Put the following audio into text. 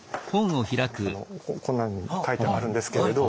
あのこんなのに書いてあるんですけれど。